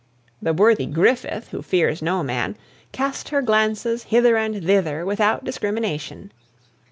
The worthy Griffith, who fears no man, cast her glances hither and thither without discrimination.